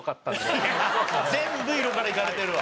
全部色からいかれてるわ。